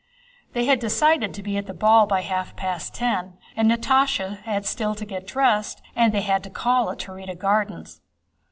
They had decided to be at the ball by half past ten, and Natásha had still to get dressed and they had to call at the Taurida Gardens.